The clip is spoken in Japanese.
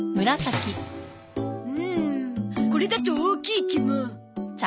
うーんこれだと大きい気も。